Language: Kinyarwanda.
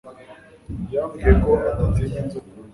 yambwiye ko adatinya inzoka.